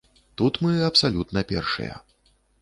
Тут мы абсалютна першыя.